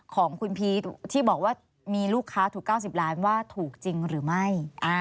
ของคุณพีชที่บอกว่ามีลูกค้าถูก๙๐ล้านว่าถูกจริงหรือไม่